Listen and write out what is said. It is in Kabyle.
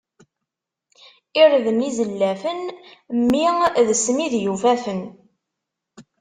Irden izellafen, mmi d ssmid yufafen.